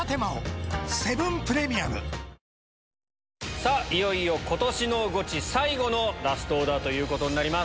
さあ、いよいよことしのゴチ最後のラストオーダーということになります。